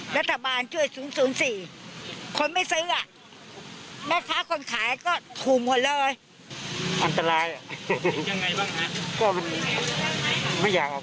ถ้าสถานการณ์อย่างนี้กำไรน้อยกำไรยาก